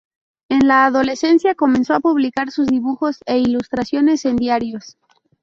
En la adolescencia comenzó a publicar sus dibujos e ilustraciones en diarios.